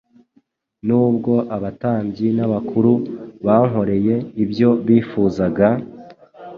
nubwo abatambyi n’abakuru bankoreye ibyo bifuzaga,